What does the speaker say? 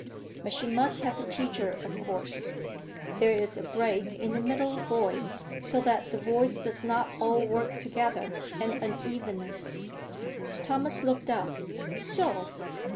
But she must have a teacher, of course. There is a break in the middle voice, so that the voice does not all work together; an unevenness." Thomas looked up. "So?